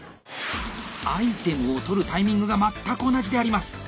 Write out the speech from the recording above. アイテムを取るタイミングが全く同じであります！